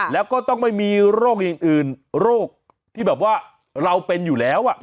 แล้วก็ต้องไม่มีโรคอื่นโรคที่แบบว่าเราเป็นอยู่แล้ว